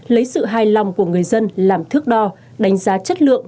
lấy sự hài lòng của người dân làm thước đo đánh giá chất lượng